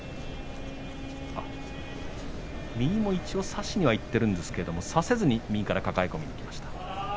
右も一応、差しにはいってるんですけれども差せずに右から抱え込みにいきました。